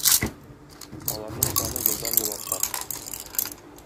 Аларның саны елдан-ел арта.